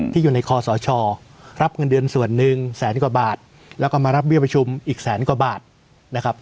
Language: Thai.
ที่อยู่ในคอสชรับเงินเดือนส่วนหนึ่งแสนกว่าบาทแล้วก็มารับเบี้ยประชุมอีกแสนกว่าบาทนะครับ